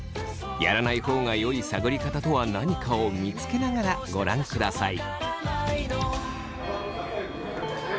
やらない方がよい探り方とは何かを見つけながらご覧ください。